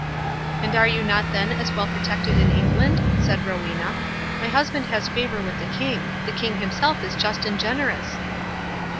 "And are you not then as well protected in England?" said Rowena. "My husband has favour with the King—the King himself is just and generous."